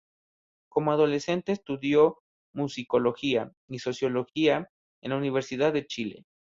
Como adolescente estudió Musicología y Sociología en la Universidad de Chile.